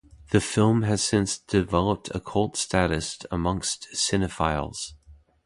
The film has since developed a cult status amongst cinephiles.